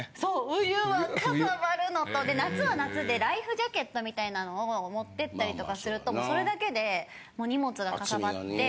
冬はかさばるのと夏は夏でライフジャケットみたいなのを持って行ったりとかするともうそれだけでもう荷物がかさばって。